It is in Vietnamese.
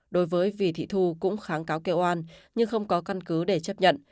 đối với vì thị thu cũng kháng cáo kêu oan nhưng không có căn cứ để chấp nhận